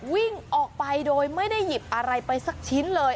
วิ่งออกไปโดยไม่ได้หยิบอะไรไปสักชิ้นเลย